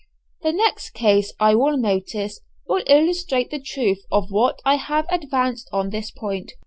The next case I will notice will illustrate the truth of what I have advanced on this point.